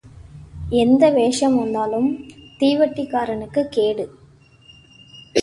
எந்த வேஷம் வந்தாலும் தீவட்டிக்காரனுக்குக் கேடு.